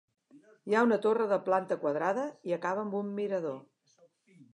Hi ha una torre de planta quadrada i acaba amb un mirador.